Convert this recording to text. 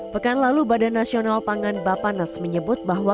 pekan lalu badan nasional pangan bapanas menyebut bahwa